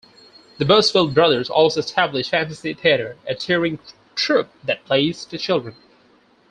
The Busfield brothers also established Fantasy Theater, a touring troupe that plays to children.